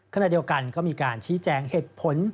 ขณะเดียวกันก็มีการชี้แจงเหตุผล